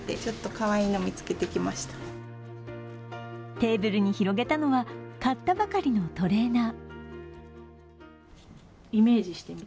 テーブルに広げたのは買ったばかりのトレーナー。